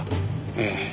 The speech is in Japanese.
ええ。